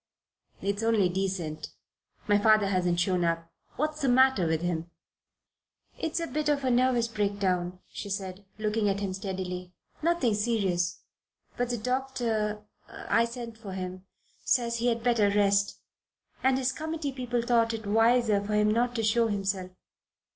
"It's only decent. My father hasn't shown up. What's the matter with him?" "It's a bit of a nervous breakdown," she said, looking at him steadily. "Nothing serious. But the doctor I sent for him says he had better rest and his committee people thought it wiser for him not to show himself."